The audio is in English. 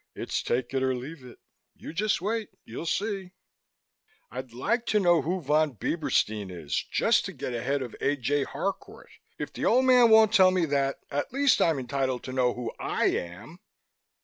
It's take it or leave it. You just wait. You'll see." "I'd like to know who Von Bieberstein is, just to get ahead of A. J. Harcourt. If the Old Man won't tell me that, at least I'm entitled to know who I am."